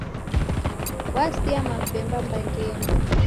Wavisa mapemba mbangenyi